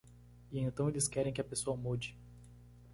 E então eles querem que a pessoa mude.